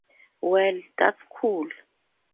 Well, that's cool!